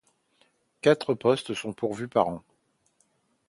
Quatre postes sont pourvus par an.